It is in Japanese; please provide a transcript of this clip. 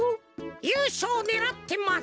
ゆうしょうねらってます。